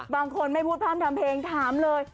บางคนไม่พูดพร่ำทำเพลงถามเลย